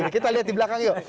kita lihat di belakang yuk